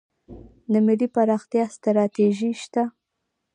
د ملي پراختیا ستراتیژي شته؟